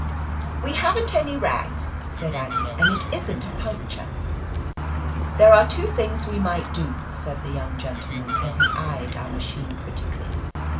"We haven't any rags," said Aggie, "and it isn't a puncture." "There are two things we might do," said the young gentleman as he eyed our ma chine critically.